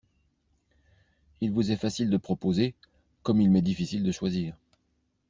Il vous est facile de proposer, comme il m’est difficile de choisir.